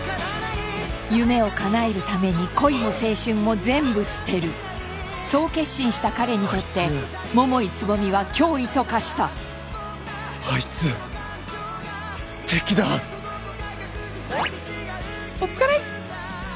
夢をかなえるために恋も青春も全部捨てるそう決心した彼にとってあいつ桃井蕾未は脅威と化したあいつ敵だお疲れ